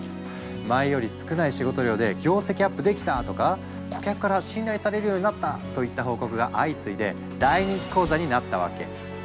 「前より少ない仕事量で業績アップできた！」とか「顧客から信頼されるようになった！」といった報告が相次いで大人気講座になったわけ。